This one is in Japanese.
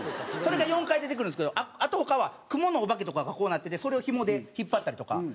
それが４回出てくるんですけどあと他はクモのお化けとかがこうなっててそれをひもで引っ張ったりとか。